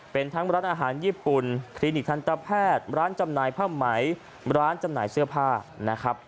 เป็นทั้งร้านอาหารญี่ปุ่นคลินิกทันตแพทย์ร้านจำหน่ายผ้าไหมร้านจำหน่ายเสื้อผ้านะครับ